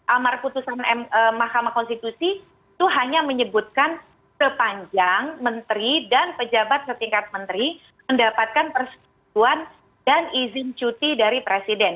amar putusan mahkamah konstitusi itu hanya menyebutkan sepanjang menteri dan pejabat setingkat menteri mendapatkan persetujuan dan izin cuti dari presiden